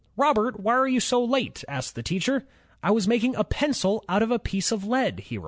"Robert, why are you so late?" asked the teacher. "I was mailing a pencil out of a piece of lead," he replied.